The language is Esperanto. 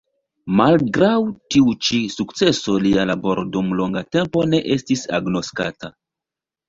Malgraŭ tiu ĉi sukceso lia laboro dum longa tempo ne estis agnoskata.